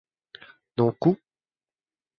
നോക്കൂ